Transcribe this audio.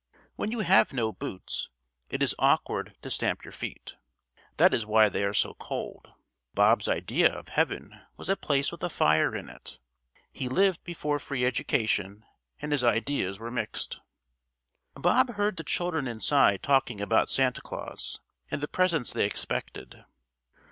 When you have no boots it is awkward to stamp your feet. That is why they are so cold. Bob's idea of heaven was a place with a fire in it. He lived before Free Education and his ideas were mixed. Bob heard the children inside talking about Santa Claus and the presents they expected.